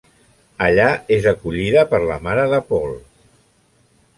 Allà és acollida per la mare de Paul.